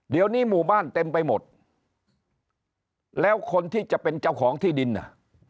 เดี๋ยวนี้หมู่บ้านเต็มไปหมดแล้วคนที่จะเป็นเจ้าของที่ดินอ่ะ